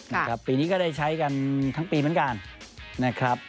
ในปีนี้ก็ได้ใช้ทั้งปีเหมือนกัน